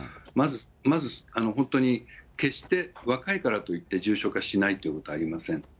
まず、本当に決して若いからといって重症化しないということはありません。